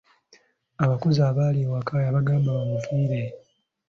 Abakozi abaali awaka yabagamba bamuviire.